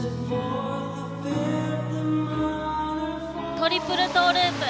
トリプルトーループ。